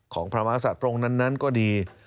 ของพระมหาศัตว์พระองค์นั้นก็ดี